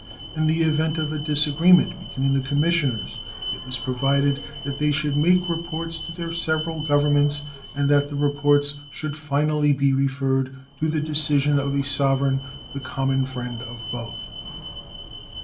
In the event of a disagreement between the commissioners it was provided that they should make reports to their several Governments, and that the reports should finally be referred to the decision of a sovereign the common friend of both.